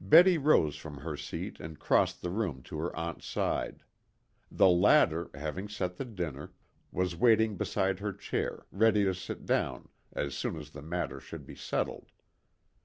Betty rose from her seat and crossed the room to her aunt's side. The latter, having set the dinner, was waiting beside her chair ready to sit down as soon as the matter should be settled.